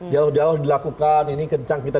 dialog dialog dilakukan ini kencang kita